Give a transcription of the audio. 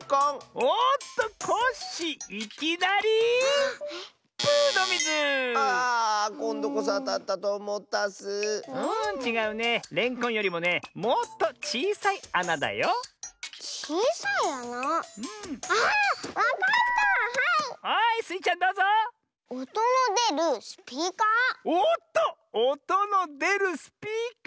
おっとおとのでるスピーカー！